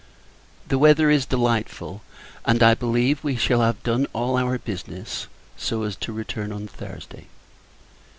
The weather is delightful; and, I believe, we shall have done all our business, so as to return on Thursday.